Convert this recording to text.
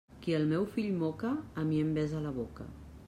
Qui el meu fill moca, a mi em besa la boca.